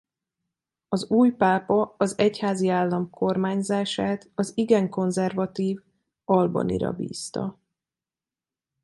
Az új pápa az Egyházi állam kormányzását az igen konzervatív Albanira bízta.